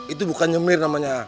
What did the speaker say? itu bukan nyemir namanya